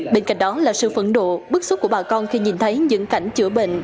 bên cạnh đó là sự phẫn độ bức xúc của bà con khi nhìn thấy những cảnh chữa bệnh